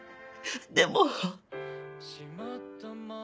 でも。